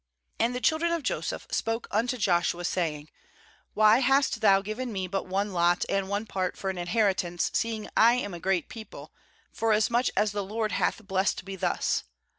14And the children of Joseph spoke unto Joshua, saying: 'Why hast thou given me but one lot and one part for an inheritance, seeing I am a great people, forasmuch as the LOED hath blessed me thus?'